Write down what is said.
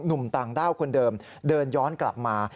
หนุ่มต่างด้าวคนเดิมเดินย้อนกลับมา